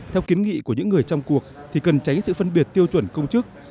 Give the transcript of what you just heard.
theo kiến nghị của những người trong cuộc thì cần tránh sự phân biệt tiêu chuẩn công chức